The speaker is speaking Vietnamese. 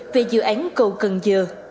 về dự án cầu cần giờ